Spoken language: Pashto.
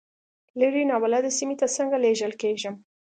لرې نابلده سیمې ته څنګه لېږل کېږم.